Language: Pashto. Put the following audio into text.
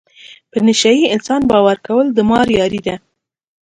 په نشه یې انسان باور کول د مار یاري ده.